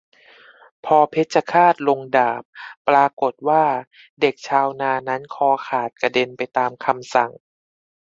พอเพชฌฆาตลงดาบปรากฏว่าเด็กชาวนานั้นคอขาดกระเด็นไปตามคำสั่ง